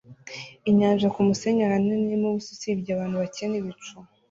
Inyanja yumusenyi ahanini irimo ubusa usibye abantu bake nibicu